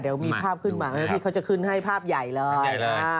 เดี๋ยวมีภาพขึ้นมาพี่เขาจะขึ้นให้ภาพใหญ่เลย